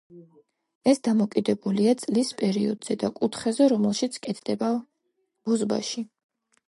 ეს დამოკიდებულია წლის პერიოდზე და კუთხეზე, რომელშიც კეთდება ბოზბაში.